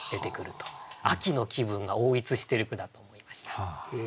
秋の気分が横いつしてる句だと思いました。